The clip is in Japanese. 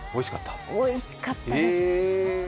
おいしかったです。